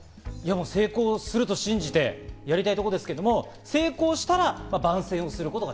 成功を信じてやりたいところですけど、成功したら番宣をしてもらう。